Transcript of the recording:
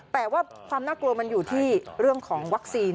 แต่ว่าความน่ากลัวมันอยู่ที่เรื่องของวัคซีน